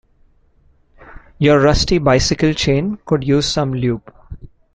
Your rusty bicycle chain could use some lube.